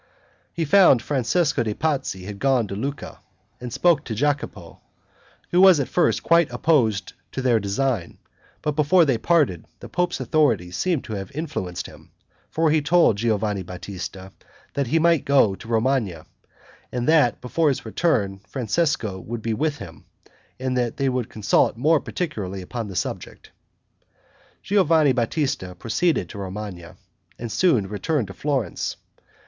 He found Francesco de' Pazzi had gone to Lucca, and spoke to Jacopo, who was at first quite opposed to their design, but before they parted the pope's authority seemed to have influenced him; for he told Giovanni Batista, that he might go to Romagna, and that before his return Francesco would be with him, and they would then consult more particularly upon the subject. Giovanni Batista proceeded to Romagna, and soon returned to Florence.